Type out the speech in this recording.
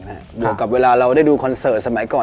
บวกกับเวลาเราได้ดูคอนเสิร์ตสมัยก่อน